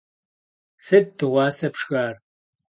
Sıt dığuase pşşxar?